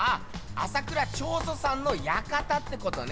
朝倉彫塑さんの館ってことね！